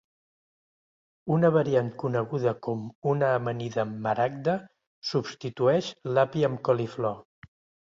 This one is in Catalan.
Una variant coneguda com una amanida maragda substitueix l'API amb coliflor.